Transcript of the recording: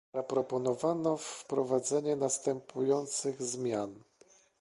Zaproponowano wprowadzenie następujących zmian